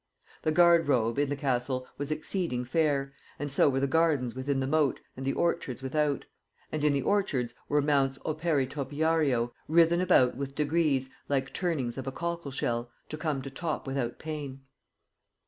The garde robe in the castle was exceeding fair, and so were the gardens within the mote and the orchards without; and in the orchards were mounts opere topiario writhen about with degrees like turnings of a cockle shell, to come to top without pain.'